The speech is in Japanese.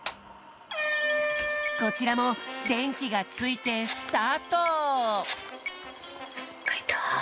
こちらもでんきがついてスタート！